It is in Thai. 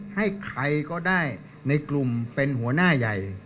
ให้ใครก็ได้ในกลุ่มเป็นหัวหน้าใหญ่